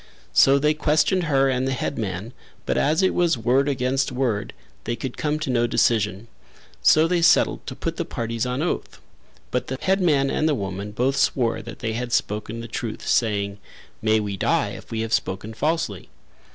So they questioned her and the headman but as it was word against word they could come to no decision; so they settled to put the parties on oath, but the headman and the woman both swore that they had spoken the truth, saying, "May we die if we have spoken falsely."